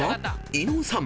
［伊野尾さん